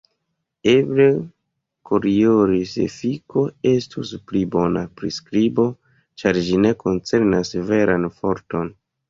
Eble Koriolis-efiko estus pli bona priskribo, ĉar ĝi ne koncernas veran forton.